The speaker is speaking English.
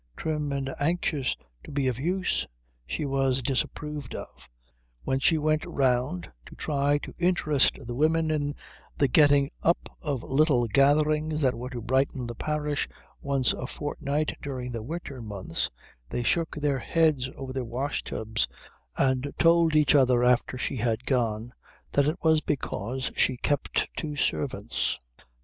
Trim and anxious to be of use she was disapproved of. When she went round to try to interest the women in the getting up of little gatherings that were to brighten the parish once a fortnight during the winter months, they shook their heads over their washtubs and told each other after she had gone that it was because she kept two servants.